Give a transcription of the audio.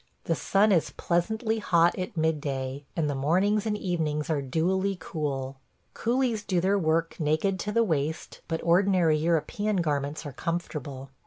The sun is pleasantly hot at midday, and the mornings and evenings are dewily cool. Coolies do their work naked to the waist, but ordinary European garments are comfortable.